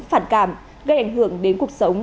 phản cảm gây ảnh hưởng đến cuộc sống